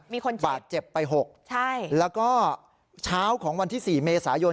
มีคนเจ็บบาดเจ็บไปหกใช่แล้วก็เช้าของวันที่สี่เมษายน